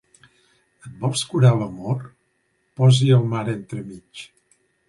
Et vols curar l'amor? Posa-hi el mar entremig.